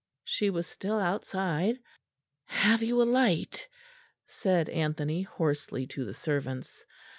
She was still outside. "Have you a light?" said Anthony hoarsely to the servants.